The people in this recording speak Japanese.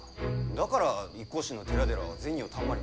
だから一向宗の寺々は銭をたんまり。